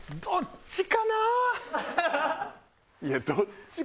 どっちかな？